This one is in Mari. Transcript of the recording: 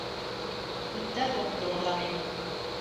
Иктат ок кӱл мыланем.